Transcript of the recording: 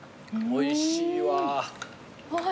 おいしい！